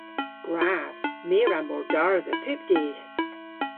Gwrav. My a wra mordardha pub dydh.